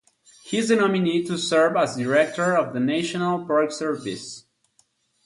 He is the nominee to serve as director of the National Park Service.